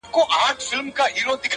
ماته جهاني د ګل پر پاڼو کیسې مه لیکه-